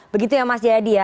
begitu ya mas jayadi ya